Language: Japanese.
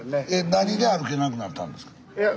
何で歩けなくなったんですか？